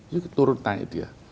itu turun tanya dia